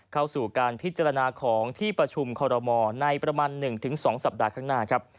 เข้าสู่การพิจารณาของที่ประชุมคอรมอลในประมาณ๑๒สัปดาห์ข้างหน้าครับ